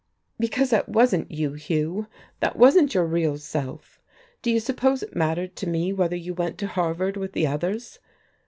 "Because that wasn't you, Hugh, that wasn't your real self. Do you suppose it mattered to me whether you went to Harvard with the others?